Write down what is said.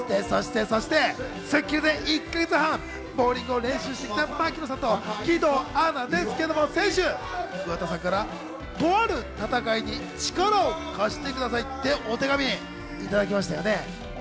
そしてそして『スッキリ』で１か月半、ボウリングを練習してきた槙野さんと義堂アナですけれど、先週、桑田さんから「とある戦い」に力を貸してくださいって、お手紙いただきましたよね。